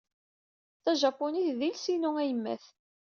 Tajapunit d iles-inu ayemmat.